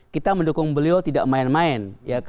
kita mendukung beliau tidak main main